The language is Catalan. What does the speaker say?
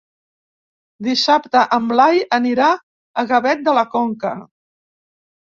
Dissabte en Blai anirà a Gavet de la Conca.